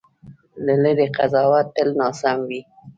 له لرې قضاوت تل ناسم وي.